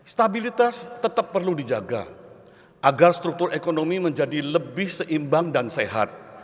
stabilitas tetap perlu dijaga agar struktur ekonomi menjadi lebih seimbang dan sehat